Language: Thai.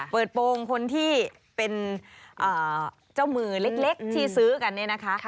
โปรงคนที่เป็นเจ้ามือเล็กที่ซื้อกันเนี่ยนะคะ